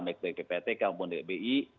baik dari ppt ataupun dari bi